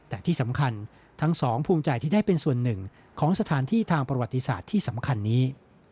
แต่ที่สำคัญทั้งสองภูมิใจที่ได้เป็นส่วนหนึ่งของสถานที่ทางประวัติศาสตร์ที่สำคัญนี้